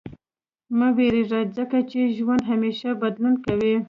• مه وېرېږه، ځکه چې ژوند همېشه بدلون کوي.